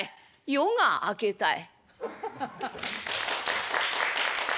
「夜が明けたい」。